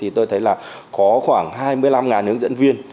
thì tôi thấy là có khoảng hai mươi năm hướng dẫn viên